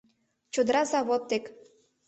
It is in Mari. Чодыра завод дек.